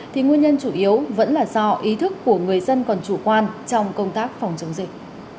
thì nguyên nhân chủ yếu vẫn là do ý thức của người dân còn chủ quan trong công tác phòng chống dịch